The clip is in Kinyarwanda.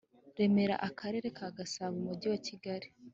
remera akarere ka gasabo umujyi wa kigali